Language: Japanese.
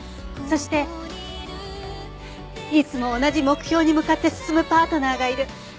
そしていつも同じ目標に向かって進むパートナーがいる。